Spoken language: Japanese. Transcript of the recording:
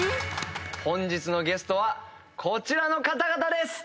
本日のゲストはこちらの方々です！